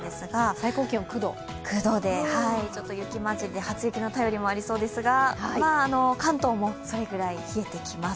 最高気温９度で初雪の便りもありそうですが関東もそれくらい冷えてきます。